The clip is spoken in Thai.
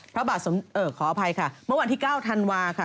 ขออภัยค่ะเมื่อวันที่๙ธันวาค่ะ